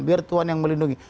biar tuhan yang melindungi